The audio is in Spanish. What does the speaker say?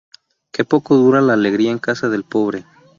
¡Qué poco dura la alegría en casa del pobre!